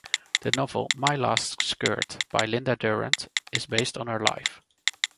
The novel "My Last Skirt", by Lynda Durrant, is based on her life.